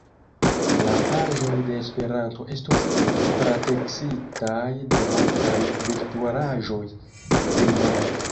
La paĝoj de Esperanto estos trateksitaj de multaj virtualaĵoj, la plej bonaj.